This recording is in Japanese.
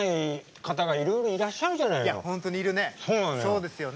そうですよね。